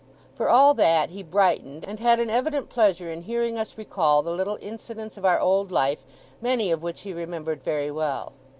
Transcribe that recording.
For all that, he brightened; and had an evident pleasure in hearing us recall the little incidents of our old life, many of which he remembered very well.